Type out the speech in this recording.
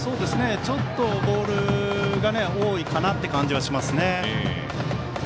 ちょっとボールが多いかなという感じがしますね。